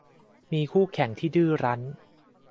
มีคู่แข่งขันที่ดื้อรั้น